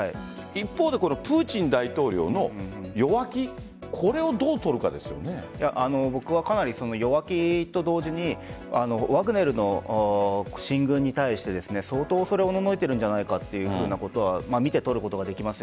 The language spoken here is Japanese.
一方で、プーチン大統領の弱気かなり弱気と同時にワグネルの進軍に対して相当恐れおののいているんじゃないかということは見て取ることはできます。